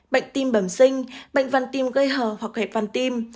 bệnh tim bẩm sinh bệnh văn tim gây hờ hoặc hệ văn tim